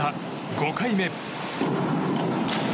５回目。